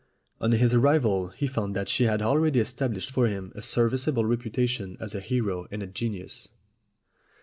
On his arrival he found that she had already estab lished for him a serviceable reputation as a hero and a genius.